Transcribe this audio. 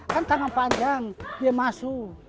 kan tanah panjang dia masuk